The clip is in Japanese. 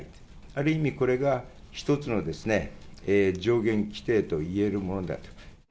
ある意味で、これが１つの上限規定といえるものだと。